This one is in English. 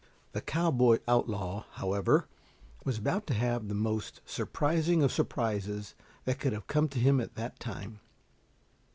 The cowboy outlaw, however, was about to have the most surprising of surprises that could have come to him at that time.